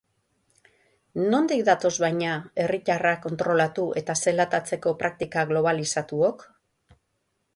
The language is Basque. Nondik datoz baina herriatarrak kontrolatu eta zelatatzeko praktika globalizatuok?